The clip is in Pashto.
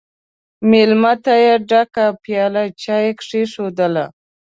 مېلمه ته یې ډکه پیاله چای کښېښودله!